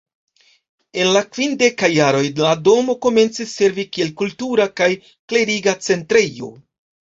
En la kvindekaj jaroj la domo komencis servi kiel kultura kaj kleriga centrejo.